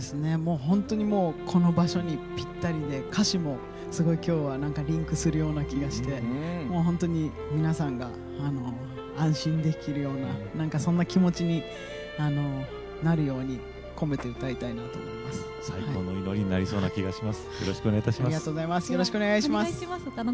本当にこの場所にぴったりで歌詞もすごいリンクするような気がして本当に皆さんが安心できるようななんかそんな気持ちになるように込めて最高の祈りになりそうな気がします。